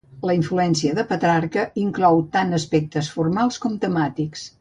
La influència de Petrarca inclou tant aspectes formals com temàtics.